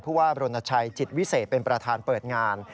ว่ารณชัยจิตวิเศษเป็นประธานเปิดงาน